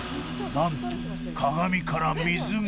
何と鏡から水が！